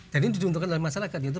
dan ini diuntukkan oleh masyarakat yaitu